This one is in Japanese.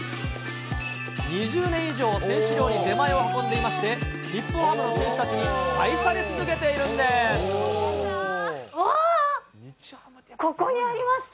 ２０年以上、選手寮に出前を運んでいまして、日本ハムの選手たちああ、ここにありました。